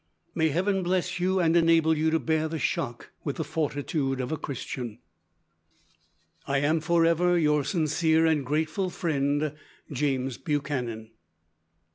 "May Heaven bless you and enable you to bear the shock with the fortitude of a Christian. "I am forever, your sincere and grateful friend, "JAMES BUCHANAN."